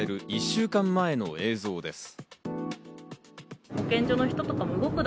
１週間前の映像です。